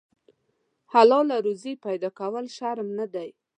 حلاله روزي پیدا کول شرم نه دی.